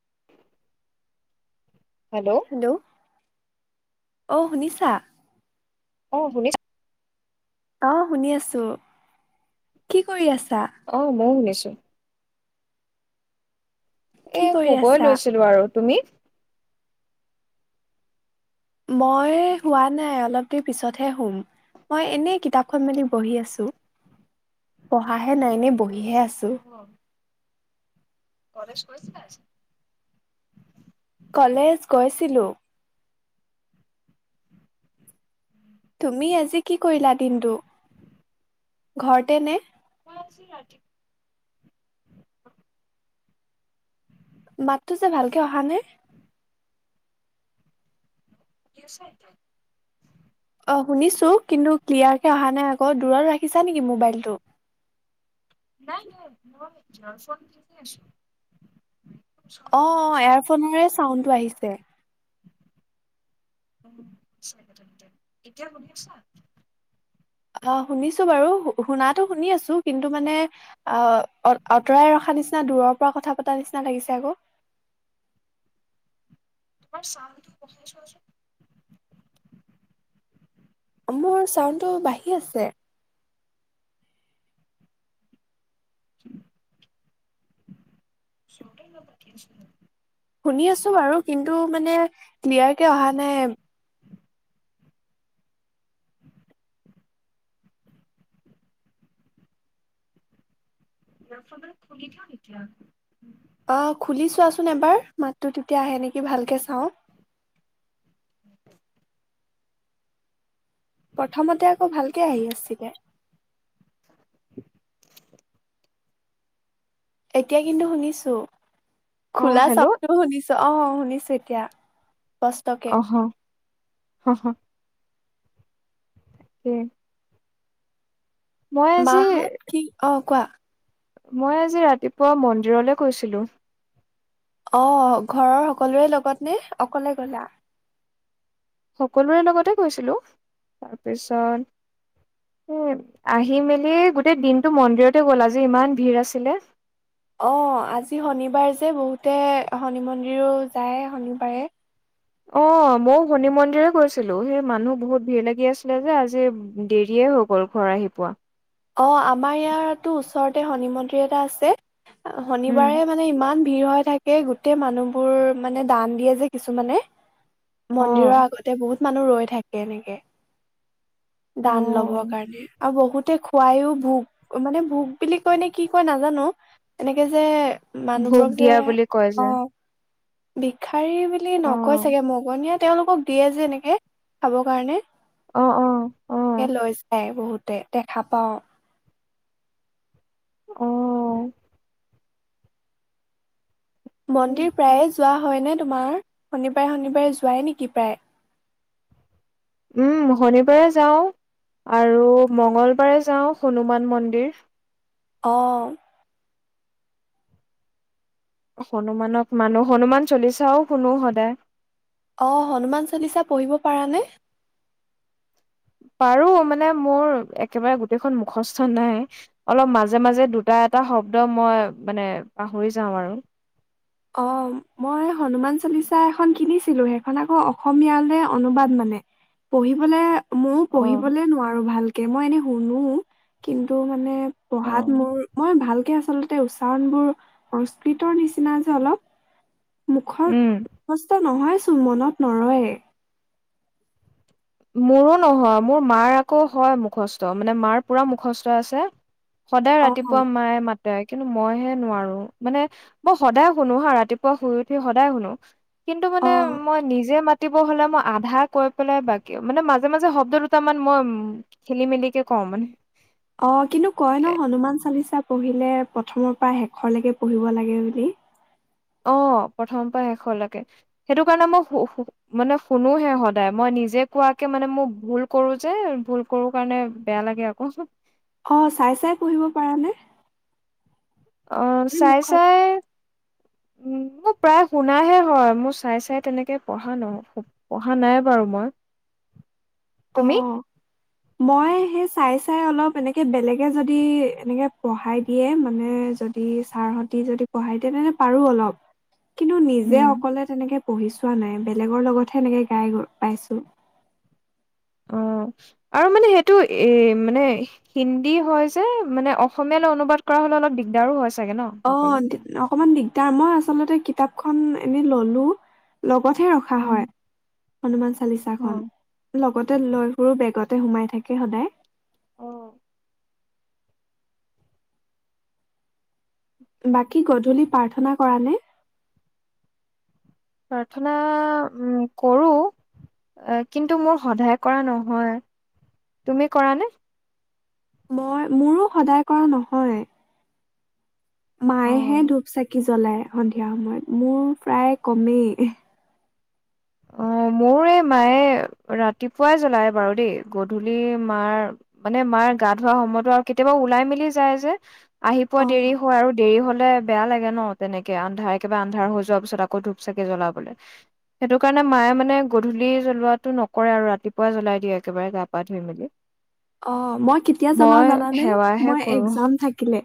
[inaudible] Hello অ শুনিছা অ শুনিছো অ শুনি আছো কি কৰি আছ অ ময়ো শুনিছো [inaudible] কি এ কৰি শুবই আছা লৈছিলো আৰু তুমি মই হোৱা নাই অলপ দেৰি পিছতহে হুম মই এনেই কিতাপখন মেলি বহি আছো পঢ়াহে নাই এনে বহিহে আছো অ কলেজ কৰিছিল আজ কলেজ গৈছিলো তুমি আজি কি কৰিলা দিনটো ঘৰতে নে মছ ৰা বাতটো যে ভালকে অহা নে [inaudible] অ শুনিছো কিন্তু ক্লিয়াৰকে অহা নাই আকৌ দূৰত ৰাখিছা নেকি মোবাইলটো নাই নাই মই জাৰ ফোন কিতি আছো ওচৰতে অ লৈ অ লৈছো এয়াৰফোনৰে চাউডটো আহিছে এতিয়া শুনি আছা আহ শুনিছো বাৰু শুনাতটো শুনি আছো কিন্তু মানে আহ আঁতৰাই ৰখা নিচিনা দূৰৰ পৰা কথা পতা নিচিনা লাগিছে আকৌ তোমাৰ চামটো কহাই চজ মোৰ চাউণ্ডটো বাঢ়ি আছে চট প শুনি আছো বাৰু কিন্তু মানে ক্লিয়াৰ কে অহা নাই নফাৰ খুলি থা এতিয়া আহ খুলি চোৱাচোন এবাৰ মাতটো তেতিয়া আহে নেকি ভালকে চাওঁ প্ৰথমতে আকৌ ভালকে আহি আছগে এতিয়া কিন্তু শুনিছো অ খোলা হেল্ল' চাওো শুনিছো অ শুনিছোঁ এতিয়া কষ্টকে অ হ হ হা তাকে বহত কি অও কোৱা। মই আজি ৰাতিপুৱা মন্দিৰলৈ গৈছিলোঁ। অ' ঘৰৰ সকলোৰে লগত নে অকলে গলা? সকলোৰে লগতে গৈছিলো তাৰপিছত এ আহি মেলি গোটেই দিনটো মন্দিৰতে গ'ল আজি ইমান ভিৰ আছিলে। অ' আজি শনিবাৰ যে বহুতে শনি মন্দিৰো যায় শনিবাৰে। অ' ময়ো শনি মন্দিৰে গৈছিলো সেই মানুহ বহুত ভিৰ লাগি আছিলে যে আজি দেৰিয়ে হৈ গ'ল ঘৰ আহি পোৱা। অ' আমাৰ ইয়াতো ওচৰতে শনি মন্দিৰ এটা আছে। উম, শনিবাৰে মানে ইমান ভিৰ হৈ থাকে গোটেই মানুহবোৰ মানে দান দিয়ে যে কিছুমানে। মন্দিৰৰ অ', আগতে বহুত মানুহ ৰৈ থাকে এনেকে দান লবৰ অ', কাৰণে। আৰু বহুতে খুৱায়ো ভোগ মানে ভোগ বুলি কৈনে কি কয় নাজানো এনেকে যে ভোগ দিয়া বুলি কয় যে। বিষাৰী বুলি নকয় অ', চাগে মগনীয়া তেওঁলোকক দিয়ে যে এনেকে খাব কাৰণে। অ', অ', অ', এ লৈ যায় বহুত। দেখা পাও। অ'। মন্দিৰ প্ৰায়ে যোৱা হয়নে তোমাৰ শনিবাৰে শনিবাৰে যোৱাই নেকি প্ৰায়? উম শনিবাৰে যাওঁ আৰু মঙ্গলবাৰে যাওঁ হনুমান মন্দিৰ। অ'। হনুমানক মানু হনুমান চলিছাও শুনো সদায়। পাৰা‌‌ নে? পাৰো মানে মোৰ একেবাৰে গোটেইখন মুখস্থন নাই অলপ মাজে মাজে দুটা এটা শব্দ মই মানে পাহৰি যাওঁ আৰু। অ' মই হনুমান চলিচা এখন কিনিছিলো সেইখন আকৌ অসমীয়ৈ অনুবাদ মানে পঢ়িবলৈ। ময়ও অ', পঢ়িবলে নোৱাৰো ভাল তাকে মই এনেই শুনো কিন্তু মানে অ'। পঢ়াত মোৰ মই ভালকে আ আচলতে উচ্চাৰণবোৰ সংস্কৃতৰ নিচিনা। অলপ। মুখৰ উম। মুখস্থ নহয়। চো মনত নৰয়ে মোৰো নহয় মোৰ মাৰ আকৌ হয় মুখস্থ মানে মাৰ পুৰা মুখস্থ আছে। সদায় অ ৰাতিপুৱা মায়ে মা কিন্তু মই হে নোৱাৰো মানে মই সদায় শুনো হা ৰাতিপুৱা শুই উঠি সদায় শুনো। কিন্তু মানে অ মই নিজে মা দ হলে মই আধা কৈ পেলাই ব ক মানে মাজে মাজে শব্দ দুটামান মই উম খেলি মেলিকে কওঁ মানে। অ' কিন্তু কয় এ ন হনুমান চালিচা পঢ়িলে প্ৰথমৰ পৰা শেষৰলৈকে পঢ়িব লাগে বুলি। অ' প্ৰথমৰ পৰা শেষলৈকে সেইটো কাৰণে মই মানে শুনোহে সদায় মই নিজে কোৱাকে মানে মই ভুল কৰো যে ভুল কৰো কাৰণে বেয়া লাগে আকৌ অ' চাই চাই পঢ়িব পাৰানে? অ' মানে চাই মুখত চাই উ মোৰ প্ৰায় শুনাহে হয় মোৰ চাই চাই তেনেকে পঢ়া ন পঢ়া নাই বাৰু মই, অ তুমি? মই সেই চাই চাই অলপ এনেকে বেলেগে যদি এনেকে পঢ়াই দিয়ে মানে যদি ছাৰহতি যদি পঢ়াই দিয়ে তেনে পাৰো অলপ কিন্তু নিজে উম। অকলে তেনেকে পঢ়ি চোৱা নাই। বেলেগৰ লগতহে এনেকে গাই পাইছোঁ। অ'। চাগে ন' [unintelligible] তাৰ মই আচলতে কিতাপখন এনে ল'লো, ল [unintelligible] ৰখা উম, হয় হনুমান চা চালিচাখন হয়। লগতে লৈ ফুৰোঁ বেগত তে সোমাই থাকে সদায় অ', বাকী গধূলি প্ৰাৰ্থনা কৰা নে? প্ৰাৰ্থনা, উম, কৰোঁ। কিন্তু মোৰ সদায় কৰা নহয়। তুমি কৰা নে? মই, মোৰো সদায় কৰা নহয়। অ মায়েহে ধূপ-চাকি জ্বলায়। সন্ধিয়া সময়ত মোৰ প্ৰায় কমেই অ', মোৰ এই মায়ে ৰাতিপুৱাই জ্বলায় বাৰু দেই। গধূলি মাৰ, মানে মাৰ গা ধোৱা সময়তো, আৰু কেতিয়াবা ওলাই-মেলি যায় যে আহি পোৱা দেৰি অ', হয়, আৰু দেৰি হ'ল লে বেয়া লাগে ন'। তেনেকে আন্ধাৰ, একেবাৰে আন্ধাৰ হৈ যোৱাৰ পিছত আকৌ ধূপ চাগে জ্বলাবলে সেইটো কাৰণে মায়ে, মানে, গধূলি জ্বলোৱাটো নকৰে আৰু ৰাতিপুৱাই জ্বলাই দিয়ে একেবাৰে গা-পা ধুই-মেলি অ' মই কেতিয়া জলাও জানানে সেৱাহে মই কৰো এক্জাম থাকিলে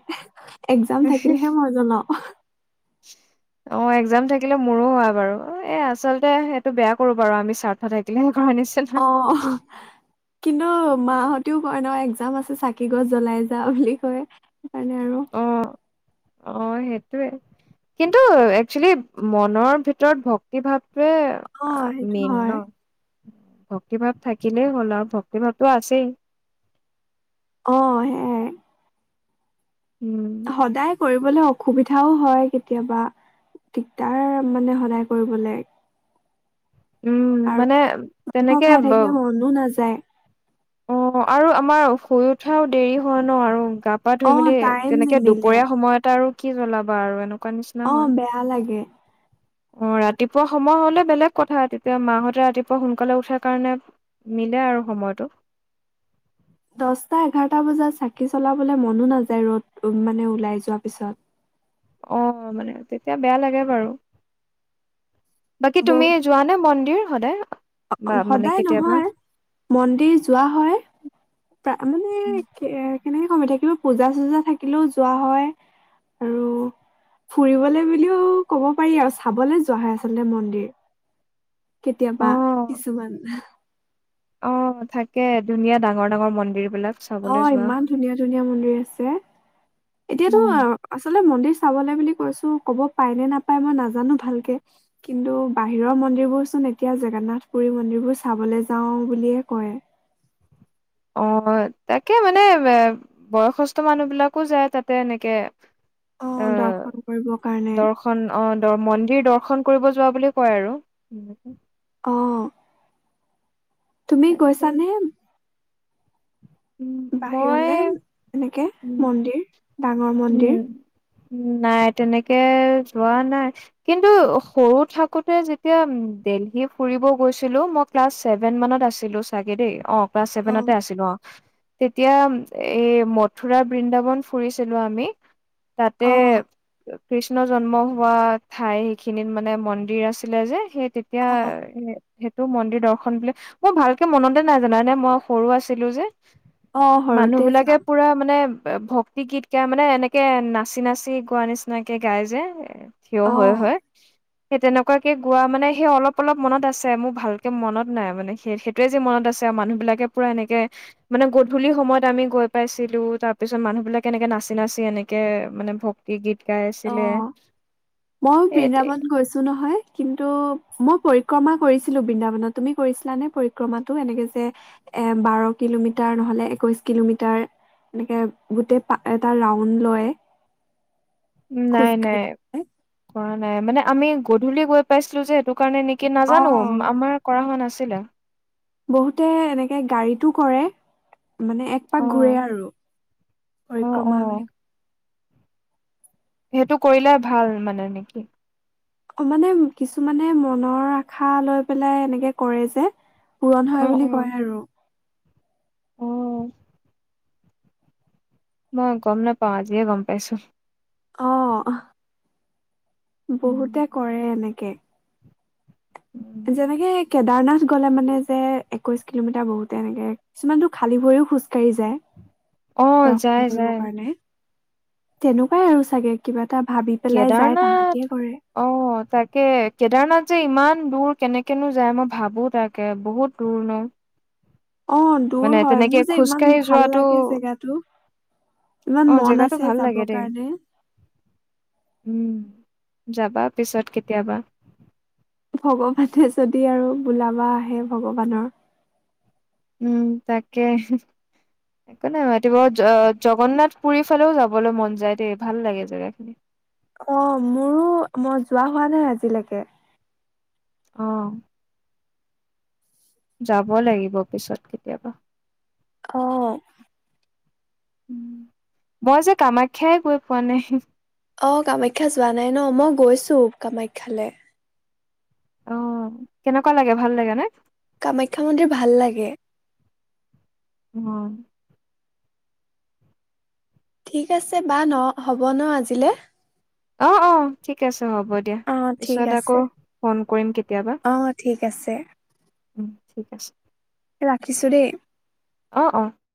এক্জাম থাকিলেহে মই জলাও। অ' এক্জাম থাকিলে মোৰো হয় বাৰু এ আচলতে সেইটো বেয়া কৰো বাৰু আমি স্বাৰ্থ থাকিলে। অ' কিন্তু মাহঁতেও ক ন এক্জাম আছে চাকি গছ জ্বলাই যা বুলি কয় সেইকাৰণে আৰু। অ অ' সেইটোৱে কিন্তু একচুৱেলি মনৰ ভিতৰত ভক্তি ভাৱ অ' সেইটো হয়। ভক্তিভাৱ থাকিলেই হ'ল আৰু ভক্তিভাৱটো আছেই। অ' সে উম সদায় কৰিব। লে অসুবিধাও হয় কেতিয়াবা দিগদাৰ মানে সদায় কৰিবলে। উম আৰু মানে মাংস তেনেকে খাই থাকিলে মনো নাযায়। অ' আৰু আমাৰ শুই উঠাও দেৰি হোৱা ন আৰু গা পা অ' ধুই মেলি টাইম তেনেকে নিমিলে। দুপৰীয়া সময়তেটা আৰু কি জ্বলাবা আৰু এনু অ' বেয়া লাগে। অ' ৰাতিপুৱা সময় হলে বেলেগ কথা তেতিয়া মাহতে ৰাতিপুৱা সোনকালে উঠাৰ কাৰণে মিলে আৰু সময়টো দহটা এঘাৰটা বজাত চাকি চলাবলৈ মনো নাযায় ৰ'দ মানে ওলাই যোৱাৰ পিছত অ' মানে তেতিয়া বেয়া লাগে বাৰু বাকী তুমি যোৱা নে মন্দিৰ সদায়? বা অ' মানে সদায় কেতিয়াবা? নহয় মন্দিৰ যোৱা হয় প্ৰ মানে কে কেনেকে কমি থাকিব পূজা চূজা থাকিলেও যোৱা হয় আৰু ফুৰিবলে বুলিও ক'ব পাৰি আৰু চাবলৈ যোৱা হয় আচলতে মন্দিৰ কেতিয়াবা অ', কিছুমান অ থাকে ধুনীয়া ডাঙৰ-ডাঙৰ মন্দিৰ বিলাক চাবলৈ অ' যোৱা ইমান হয়। ধুনীয়া-ধুনীয়া মন্দিৰ আছে। এতিয়াতো উম, আচলতে মন্দিৰ চাব লে বুলি কৈছো ক'ব পাই নে নাপায় মই নাজানো ভালকে কিন্তু বাহিৰৰ মন্দিৰবোৰ চোন এতিয়া জগন্নাথ পুৰী মন্দিৰবোৰ চাবলৈ যাও বুলিয়ে কয়। অ' তাকে মানে এ বয়সস্থ মানুহ বিলাকো যায় তাতে এনেকে অ' আহ দৰ্শন কৰিবৰ কাৰণে দৰ্শন অ' দ মন্দ দৰ্শন কৰিব যোৱা বুলি কয় আৰু। অ'। তুমি তাকে কৈছানে? উম, মই বাহিৰলে এনেকে উম মন্দিৰ ডাঙৰ উম, মন্দিৰ নাই তেনেকে যোৱা নাই কিন্তু সৰু থাকোতে যেতিয়া দেলহি ফুৰিব গৈছিলো। মই ক্লাছ চছেভেন মানত আছিলো চাগে দেই অ'। ক্লা অ' চছেভেনতে আছিলো অ'। তেতিয়া এ মথুৰাৰ বৃন্দাবন ফুৰিছিলো আমি। তাতে অ' কৃষ্ণ জন্ম হোৱা ঠাই সেইখিনিত মানে মন্দিৰ আছিলে যে সেই তেতিয়া অ' সেইটো মন্দিৰ দৰ্শন বোলে মই ভালকে মনতে নাই জানা নে মই সৰু আছিলো যে। অ' মানুহ সৰুতে বিলাকে যোৱা পুৰা মানে ভক্তি গীত গাই মানে এনেকে নাচি-নাচি গোৱা নিচিনাকে গাই যে। থিয় হৈ অ' হয়। সেই তেনেকুৱাকে গোৱা মানে সেই অলপ-অলপ মনত আছে। মোৰ ভালকে মনত নাই মানে সেই সেইটোৱে যেি মনত আছে। আৰু মানুহ বিলাকে পুৰা এনেকে মানে গধূলি সময়ত আমি গৈ পাইছিলো তাৰ পিছত মানুহ বিলাকে এনেকে নাচি-নাচি এনেকে মানে ভক্তি গীত গাই আছিলে অ' মইো সেই বৃন্দাবন গৈছো নহয় কিন্তু মই পৰ পৰিক্ৰমা কৰিছিলো বৃন্দাবনত তুমি কৰিছিলানে পৰিক্ৰমাটো এনেকে যে এ বাৰ কিলোমিটাৰ নহলে একৈশ কিলোমিটাৰ এনেকে গোট এটা ৰাউড লয়। নাই‌ নাই খোজকাঢ়ি ক নাই মানে আমি গধূলি গৈ পাইছিলো যে এইেই। কাৰণে নেকি অ নাজানো আমাৰ কৰা হোৱা নাছিল। ছিলা বহুতে এনেকে গাড়ীতটো কৰে। মানে এক অ পাক ঘূৰে আৰু অ পৰিক্ৰমা অ বুলি সেইটো কৰিলে ভাল মানে নেকি? মানে কিছুমানে মনৰ আশা লৈ পেলাই এনেকে কৰে যে। পূৰণ হয় বুলি কয় আৰু। অহ। মই গম নাপাওঁ আজিয়ে গম পাইছো। অহ। বহুতে কৰে এনেকে। যেনেকে কেদাৰনাথ গ'লে মানে যে একৈশ কিলোমিটাৰ বহুতে এনেকে কিছুমানটো খালী ভৰিও খোজকাঢ়ি যায়। অহ, দৰ্শন যায়, কৰিবৰ যায়। কাৰণে তেনেকুৱাই আৰু চাগে কিবা। এটা ভাবি পেলাই যায় তাহাঁতিয়ে কেদাৰনাথ কৰে অ', তাকে কেদাৰনাথ যে ইমান ইমান দূৰ কেনেকেনো যায় মই ভাবো তাকে বহুত দূৰনো। অ', দূৰ হয় মোৰ যে ইমান খোজকাঢ়ি ভাল যোৱাটো লাগে জেগাটো ইমান অ', মন জেগাটো আছে ভাল যাব লাগে দেই, কাৰণে। উম। যাবা পিছত কেতিয়াবা। ভগৱানে যদি আৰু বোলাবা আহে ভগৱানৰ। উম, তাকে একো নাই ৰাতিুৱা জগন্নাথ পুৰীৰ ফালেও যাবলৈ মন যায় দেই ভাল লাগে জেগাখিনি। অ', মোৰো মই যোৱা হোৱা নাই আজিলৈকে। অহ। যাব লাগিব পিছত কেতিয়াবা। অ'। মই যে কামাখ্যাই গৈ পোৱা নাই। অ', কামাখ্যা যোৱা নাই ন' মই গৈছো কামাখ্যালে। অ', কেনেকুৱা লাগে ভাল লাগে নে? কামাখ্যা মন্দিৰ ভাল লাগে। হয়। ঠিক আছে বা ন' হ'ব ন' আজিলে। অ', অ', ঠিক আছে। হ'ব দিয়া অ ঠিক পিছত আছে আকৌ ফোন কৰিম কেতিয়াবা। অ ঠিক আছে উম, ঠিক আছে। ৰাখিছো দেই। অ', অ'।